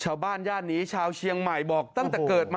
ย่านนี้ชาวเชียงใหม่บอกตั้งแต่เกิดมา